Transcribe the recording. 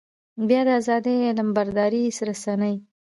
بيا د ازادۍ علمبردارې رسنۍ.